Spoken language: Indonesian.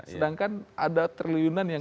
sedangkan ada triliunan yang